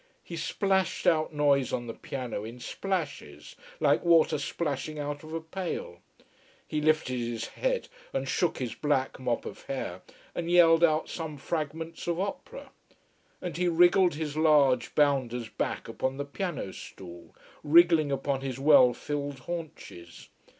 He splashed out noise on the piano in splashes, like water splashing out of a pail. He lifted his head and shook his black mop of hair, and yelled out some fragments of opera. And he wriggled his large, bounder's back upon the piano stool, wriggling upon his well filled haunches.